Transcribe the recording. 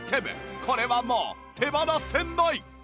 これはもう手放せない！